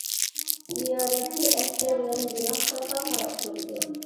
زىيارەتچى ئەسكەر بىلەن گۇناھكارغا قاراپ تۇردى.